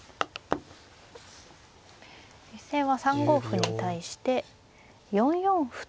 実戦は３五歩に対して４四歩と。